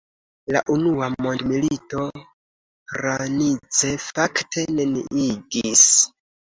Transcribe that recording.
La unua mondmilito Hranice fakte neniigis.